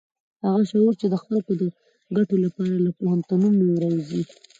هغه شعور چې د خلکو د ګټو لپاره له پوهنتونونو راوزي.